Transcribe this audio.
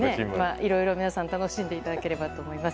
いろいろ皆さん楽しんでいただければと思います。